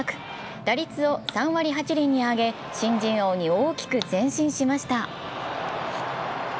打率を３割８厘に上げ、新人王に大きく前進しました。